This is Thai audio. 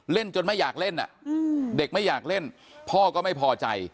เล่นจนไม่อยากเล่นเด็กไม่อยากเล่นพ่อก็ไม่พอใจ